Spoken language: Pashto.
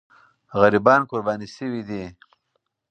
غریبان قرباني سوي دي.